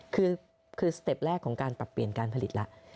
คือสเต็ปแรกของการปรับเปลี่ยนการผลิตแล้ว